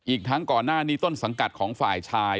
อีกทั้งก่อนหน้านี้ต้นสังกัดของฝ่ายชาย